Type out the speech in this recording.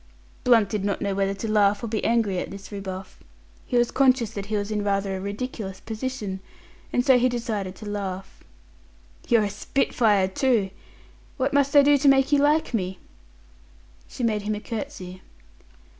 Blunt did not know whether to laugh or be angry at this rebuff. He was conscious that he was in rather a ridiculous position, and so decided to laugh. "You're a spitfire, too. What must I do to make you like me?" She made him a curtsy.